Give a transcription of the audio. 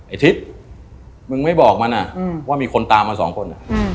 ไอ้ทิศมึงไม่บอกมันว่ามีคนตามมาสองคน